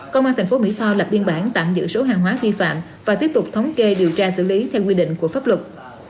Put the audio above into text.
công an tp mỹ tho lập biên bản tạm giữ số hàng hóa vi phạm và tiếp tục thống kê điều tra xử lý theo quy định của pháp luật